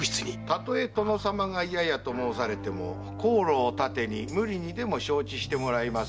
たとえ殿様が嫌やと申されても香炉を盾に無理にでも承知してもらいます。